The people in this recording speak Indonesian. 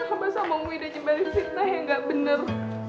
abah sama umi udah jembalin fitnah yang gak bener